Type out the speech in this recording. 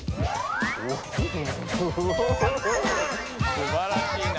すばらしいな。